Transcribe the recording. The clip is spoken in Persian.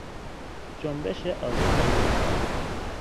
جنبش آزادی زنان